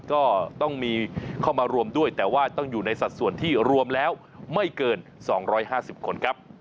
ก็ต้องมีเข้ามารวมด้วยแต่ว่าต้องอยู่ในสัดส่วนที่รวมแล้วไม่เกิน๒๕๐คนครับ